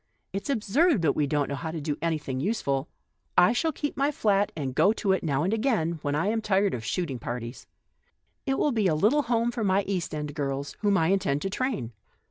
It's absurd that we do not know how to do any thing useful, I shall keep my flat, and go to it now and again, when I am tired of shoot ing parties. It will be a little home for my East End girls, whom I intend to train.